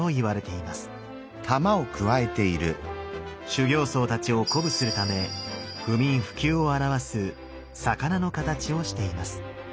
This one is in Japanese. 修行僧たちを鼓舞するため不眠不休を表す魚のかたちをしています。